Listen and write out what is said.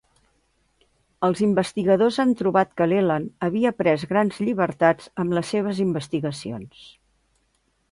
Els investigadors han trobat que Leland havia pres grans llibertats amb les seves investigacions.